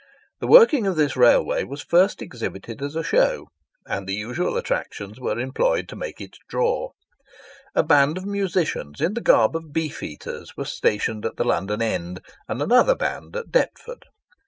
The working of this railway was first exhibited as a show, and the usual attractions were employed to make it "draw." A band of musicians in the garb of the Beef eaters was stationed at the London end, and another band at Deptford.